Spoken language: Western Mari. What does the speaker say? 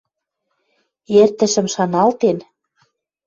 Эртӹшӹм шаналтен